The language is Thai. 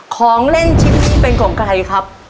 ของเล่นชิ้นนี้เป็นของใครครับ